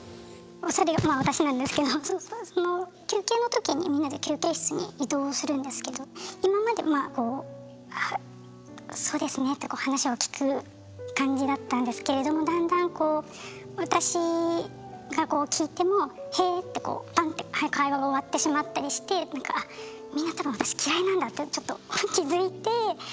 それまあ私なんですけどその休憩のときにみんなで休憩室に移動するんですけど今までまあこう「そうですね」って話を聞く感じだったんですけれどもだんだんこう私が聞いても「へぇ」ってバンって会話が終わってしまったりしてなんかってちょっと気付いて。